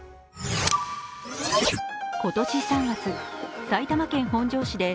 今年３月、埼玉県本庄市で